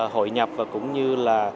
hội nhập và cũng như là